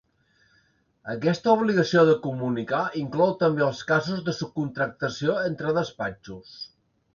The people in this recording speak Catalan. Aquesta obligació de comunicar inclou també els casos de subcontractació entre despatxos.